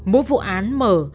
mỗi vụ án mở